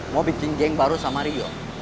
mau bikin geng baru sama rio